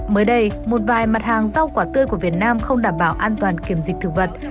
mới đây một vài mặt hàng rau quả tươi của việt nam không đảm bảo an toàn kiểm dịch thực vật